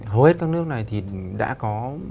hầu hết các nước này thì đã có